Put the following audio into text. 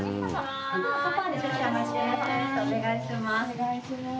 お願いします。